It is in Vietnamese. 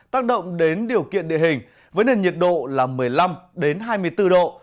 tác động đến điều kiện địa hình với nền nhiệt độ là một mươi năm hai mươi bốn độ